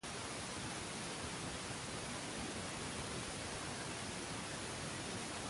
Las grandes manifestaciones del Frente Popular de Azerbaiyán tuvieron lugar en Bakú.